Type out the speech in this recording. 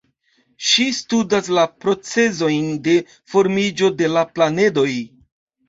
Ŝi studas la procezojn de formiĝo de la planedoj.